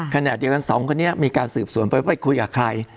ขณะเดียวกันสองคนนี้มีการสืบสวนไปคุยกับใคร